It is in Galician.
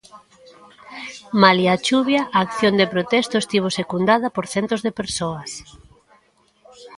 Malia a chuvia, a acción de protesto estivo secundada por centos de persoas.